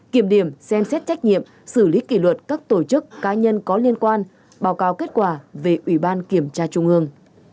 kiểm điểm xem xét trách nhiệm xử lý kỷ luật các tổ chức cá nhân có liên quan báo cáo kết quả về ủy ban kiểm tra trung ương